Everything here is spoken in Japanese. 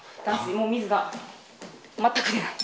もう水が全く出ない。